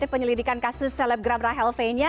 penyelidikan kasus selebgram rahel fenya